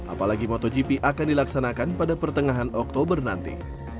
apalagi motogp akan dilaksanakan pada pertengahan oktober nanti